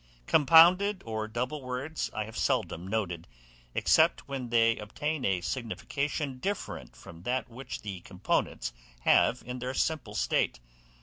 Compounded or double words I have seldom noted, except when they obtain a signification different from that which the components have in their simple state.